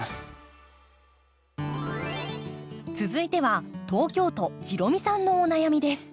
続いては東京都じろみさんのお悩みです。